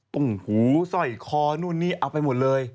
หูสร้อยคอนู่นนี่เอาไปหมดเลย